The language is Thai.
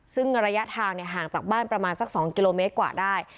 ซึ่งระยะทางห่างจากบ้านประมาณสัก๒กิโลเมตรกว่าได้